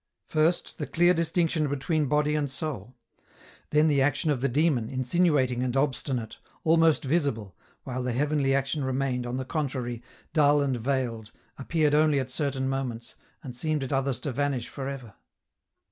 First, the clear distinction between body and soul ; then the action of the demon, insinuating and obstinate, almost visible, while the heavenly action remained, on the contrary, dull and veiled, appeared only at certain moments, and seemed at others to vanish for ever.